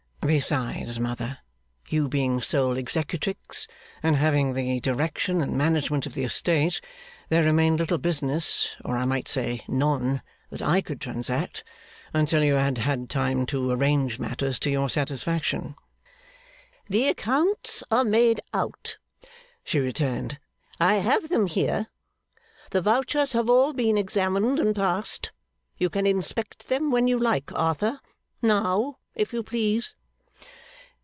'Besides, mother, you being sole executrix, and having the direction and management of the estate, there remained little business, or I might say none, that I could transact, until you had had time to arrange matters to your satisfaction.' 'The accounts are made out,' she returned. 'I have them here. The vouchers have all been examined and passed. You can inspect them when you like, Arthur; now, if you please.